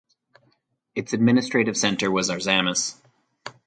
Its administrative centre was Arzamas.